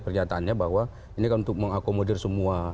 pernyataannya bahwa ini kan untuk mengakomodir semua